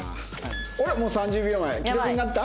もう３０秒前既読になった？